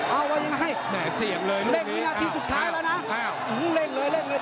เอาไว้ยังไงแหลกเมื่อนาทีสุดท้ายแล้วนะโอ้โหเล่งเลยเล่งเลย